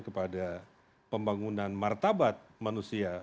kepada pembangunan martabat manusia